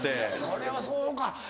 これはそうか。